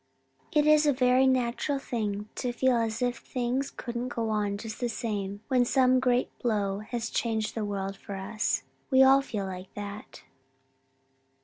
'It is a very natural thing to feel as if things couldn't go on just the same when some great blow has changed the world for us. We all feel like that.'